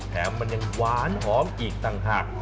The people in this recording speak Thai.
แถมมันยังหวานหอมอีกต่างหาก